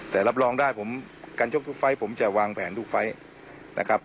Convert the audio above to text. แต่รับรองได้ผมการชกทุกไฟล์ผมจะวางแผนทุกไฟล์นะครับ